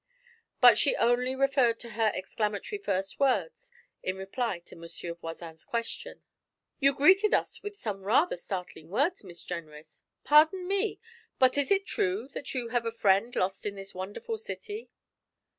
But she only referred to her exclamatory first words in reply to Monsieur Voisin's question: 'You greeted us with some rather startling words, Miss Jenrys. Pardon me, but is it true that you have a friend lost in this wonderful city?'